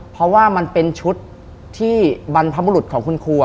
เพราะว่ามันเป็นชุดที่บรรพบุรุษของคุณครู